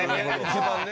一番ね。